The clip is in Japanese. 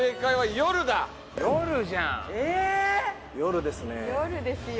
「夜」ですよ。